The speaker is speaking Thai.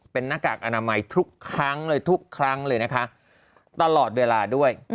เป็นหน้ากากอนามัยทุกครั้งเลยทุกครั้งเลยนะคะตลอดเวลาด้วย